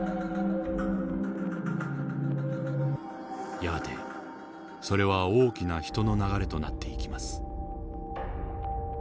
やがてそれは大きな人の流れとなっていきます。